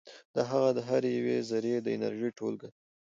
دا د هغه د هرې یوې ذرې د انرژي ټولګه ده.